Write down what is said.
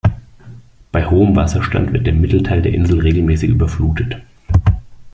Bei hohem Wasserstand wird der Mittelteil der Insel regelmäßig überflutet.